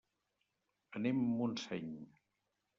Anem a Montseny.